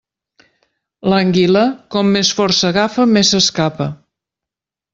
L'anguila, com més fort s'agafa més s'escapa.